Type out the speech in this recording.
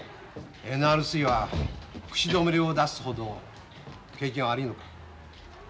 ＮＲＣは口止め料を出すほど景気が悪いのか。